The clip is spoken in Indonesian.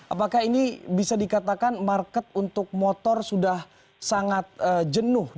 apakah ini bisa dikatakan market untuk motor sudah sangat jenuh